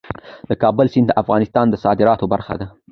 د کابل سیند د افغانستان د صادراتو برخه ده.